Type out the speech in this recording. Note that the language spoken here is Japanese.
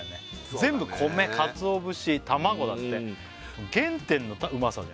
全部米鰹節卵だって原点のうまさだよ